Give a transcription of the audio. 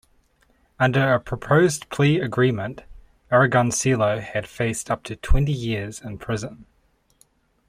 Under a proposed plea agreement, Aragoncillo had faced up to twenty years in prison.